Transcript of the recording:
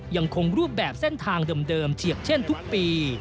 ยังคงรูปแบบเส้นทางเดิมเฉียบเช่นทุกปี